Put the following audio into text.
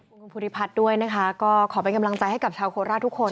คุณภูริพัฒน์ด้วยนะคะก็ขอเป็นกำลังใจให้กับชาวโคราชทุกคน